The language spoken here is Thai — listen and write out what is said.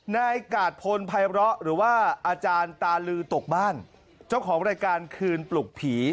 นายกาดพลภัยเลาะหรือว่าอาจารย์ตาลือตกบ้านเจ้าของรายการคืนปลุกผี